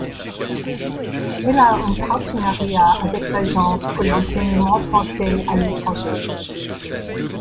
Elle a un partenariat avec l'Agence pour l'enseignement français à l'étranger.